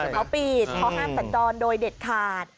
เขาปิดเขาห้ามสัญจรโดยเด็ดขาด